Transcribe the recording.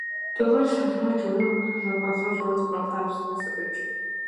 მდებარეობს მშვილდოსნის ჯუჯა სფეროსებრი გალაქტიკის ცენტრში, ზოგიერთი მკვლევრის აზრით მის ბირთვში.